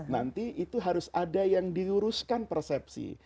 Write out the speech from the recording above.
nanti itu harus ada yang diluruskan persepsi